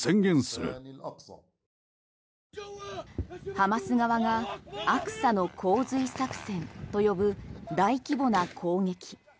ハマス側がアクサの洪水作戦と呼ぶ大規模な攻撃。